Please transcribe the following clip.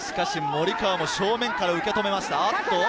森川も正面から受け止めました。